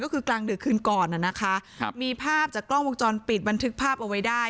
ก็คือกลางดึกคืนก่อนน่ะนะคะครับมีภาพจากกล้องวงจรปิดบันทึกภาพเอาไว้ได้